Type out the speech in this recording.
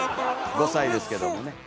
５歳ですけどもね。